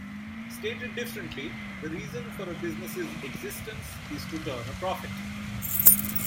Stated differently, the reason for a business's existence is to turn a profit.